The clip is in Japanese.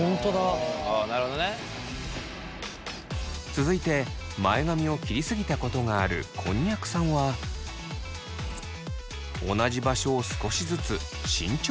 続いて前髪を切りすぎたことがあるこんにゃくさんは同じ場所を少しずつ慎重に切るやり方。